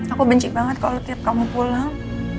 aku benci banget kalo liat kamu pulang